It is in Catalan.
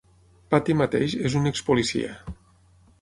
Patti mateix és un expolicia.